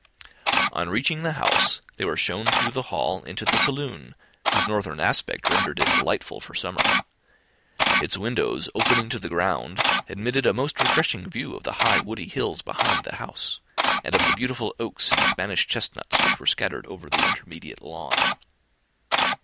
On reaching the house, they were shown through the hall into the saloon, whose northern aspect rendered it delightful for summer. Its windows, opening to the ground, admitted a most refreshing view of the high woody hills behind the house, and of the beautiful oaks and Spanish chestnuts which were scattered over the intermediate lawn.